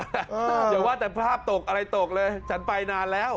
อย่าว่าแต่ภาพตกอะไรตกเลยฉันไปนานแล้ว